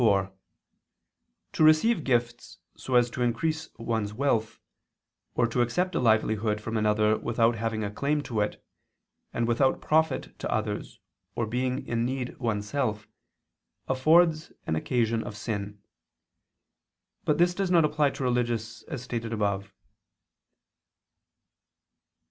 4: To receive gifts so as to increase one's wealth, or to accept a livelihood from another without having a claim to it, and without profit to others or being in need oneself, affords an occasion of sin. But this does not apply to religious, as stated above.